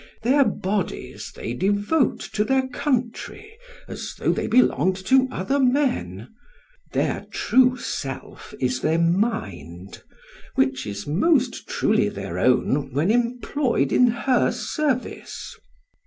Their bodies they devote to their country as though they belonged to other men; their true self is their mind, which is most truly their own when employed in her service.